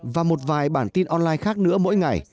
và một vài bản tin online khác nữa mỗi ngày